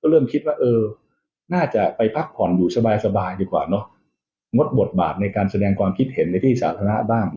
เริ่มคิดว่าเออน่าจะไปพักผ่อนอยู่สบายดีกว่าเนอะงดบทบาทในการแสดงความคิดเห็นในที่สาธารณะบ้าง